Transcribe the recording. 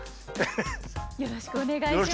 よろしくお願いします。